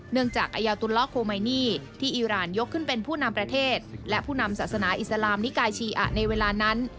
เนื่องจากอายาตุลล้อโคมัยนี่ที่อีรานยกขึ้นเป็นผู้นำประเทศและผู้นำศาสนาอิสลามนิกายชีอะในเวลานั้น